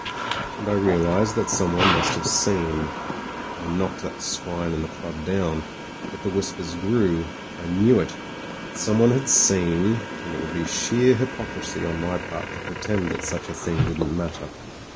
And I realised that someone must have seen. I knocked that swine in the club down ; but the whis pers grew. I knew it. Someone had seen, and it would be sheer hypocrisy on my part to pretend that such a thing didn't matter.